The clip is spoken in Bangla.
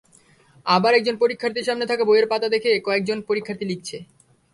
আবার একজন পরীক্ষার্থীর সামনে থাকা বইয়ের পাতা দেখে কয়েকজন পরীক্ষার্থী লিখছে।